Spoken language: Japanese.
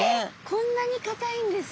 こんなにかたいんです。